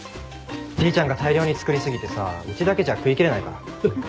じいちゃんが大量に作り過ぎてさうちだけじゃ食いきれないから。